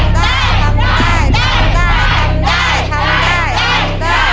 ได้